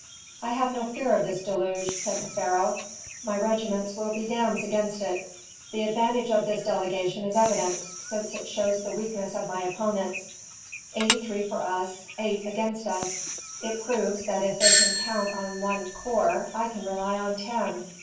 "I have no fear of this deluge," said the pharaoh. "My regiments will be dams against it. The advantage of this delegation is evident, since it shows the weakness of my opponents: eighty three for us, eight against us. It proves that if they can count on one corps I can rely on ten.